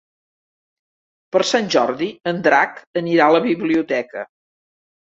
Per Sant Jordi en Drac anirà a la biblioteca.